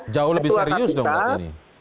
jauh lebih serius dong